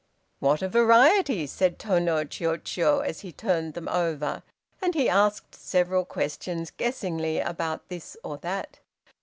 "What a variety," said Tô no Chiûjiô, as he turned them over, and he asked several questions guessingly about this or that.